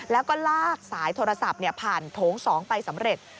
แล้วก็ลากสายโทรศัพท์ผ่านโถง๒ไปสำเร็จ